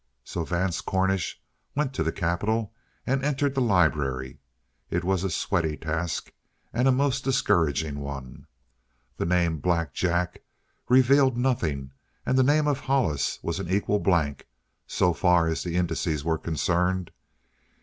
So Vance Cornish went to the capitol and entered the library. It was a sweaty task and a most discouraging one. The name "Black Jack" revealed nothing; and the name of Hollis was an equal blank, so far as the indices were concerned.